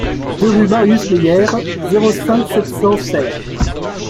deux rue Marius Meyère, zéro cinq, sept cents Serres